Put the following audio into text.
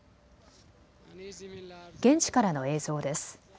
現地からの映像です。